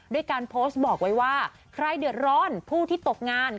ด้วยการโพสต์บอกไว้ว่าใครเดือดร้อนผู้ที่ตกงาน